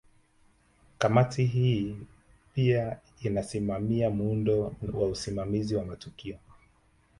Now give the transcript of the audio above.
Kamati hii pia inasimamia muundo wa usimamizi wa matukio